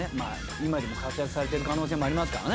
今でも活躍されてる可能性もありますからね。